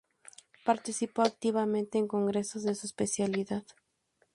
Participó activamente en congresos de su especialidad.